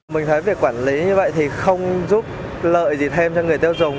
mình thấy việc quản lý như vậy thì không giúp lợi gì thêm cho người tiêu dùng